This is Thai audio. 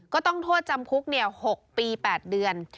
ก็ต้องโทษจำคุก๖ปี๘เดือน